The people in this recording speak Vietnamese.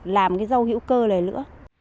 làm cái rau hữu cơ này nữa